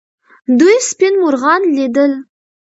دوی سپین مرغان لیدل.